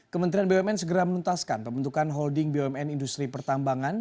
kementerian bumn segera menuntaskan pembentukan holding bumn industri pertambangan